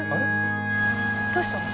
「どうしたの？